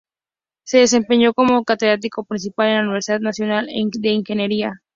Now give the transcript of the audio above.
Se desempeñó como catedrático principal en la Universidad Nacional de Ingeniería.